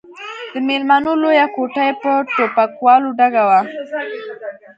د ميلمنو لويه کوټه يې په ټوپکوالو ډکه وه.